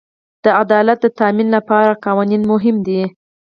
د عدالت د تامین لپاره قوانین مهم دي.